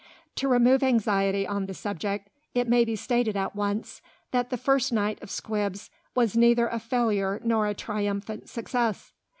To remove anxiety on the subject, it may be stated at once that the first night of "Squibs" was neither a failure nor a triumphant success.